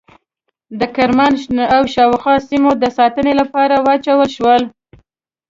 د کرمان او شاوخوا سیمو د ساتنې لپاره واچول شول.